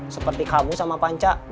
seperti kamu sama panca